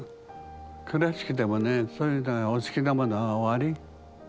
クラシックでもねそういうのでお好きなものはおあり？